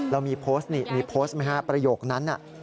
เรามีโพสต์นี่มีโพสต์ไหมฮะประโยคนั้น